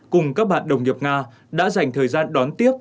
cùng các bạn đồng nghiệp nga đã dành thời gian đón tiếp